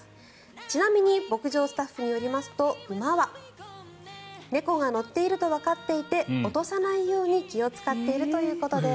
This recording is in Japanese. ちなみに牧場スタッフによりますと、馬は猫が乗っているとわかっていて落とさないように気を使っているということです。